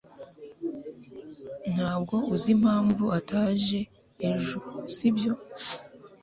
Ntabwo uzi impamvu ataje ejo, sibyo?